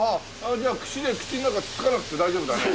じゃあ串で口の中つつかなくて大丈夫だね。